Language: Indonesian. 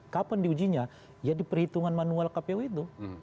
kapan di ujinya ya di perhitungan manual kpw itu